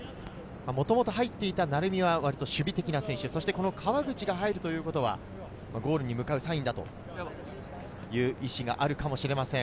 もともと入っていた鳴海は守備的な選手、川口が入るということはゴールに向かうサインだという意思があるかもしれません。